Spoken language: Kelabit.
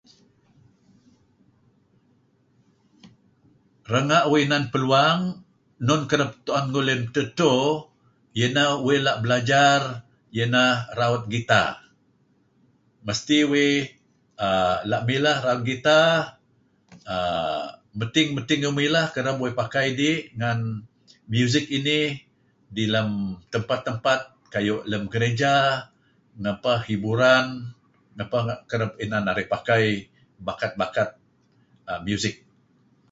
Renga' uih inan peluang nun kereb tu'en kuh edtah dto iyah inah uih la' belajar iyah inah raut guitar. Mesti uih err la' milah raut guitar err medting-medting uih milah kereb uih pakai idih ngan music inih dih lem tempat-tempat kuayu lem gereja ngapeh hiburan ngapeh kereb inan narih pakai bakat-bakat music.